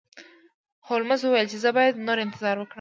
هولمز وویل چې زه باید نور انتظار وکړم.